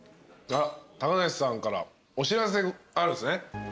あっ高梨さんからお知らせあるんすね？